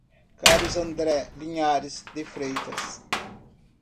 Carlos André Linhares de Freitas